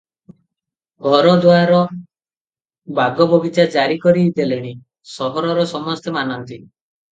ଘର ଦୁଆର ବାଗ ବଗିଚା ଜାରି କରି ଦେଲେଣି; ସହରର ସମସ୍ତେ ମାନନ୍ତି ।